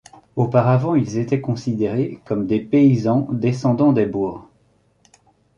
Auparavant ils étaient considérés comme des paysans descendant des Baure.